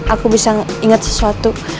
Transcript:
aku bisa inget sesuatu